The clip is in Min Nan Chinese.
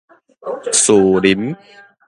士林